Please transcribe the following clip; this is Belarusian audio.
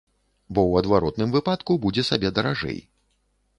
Бо ў адваротным выпадку будзе сабе даражэй.